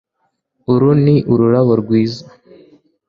Uru ni ururabo rwiza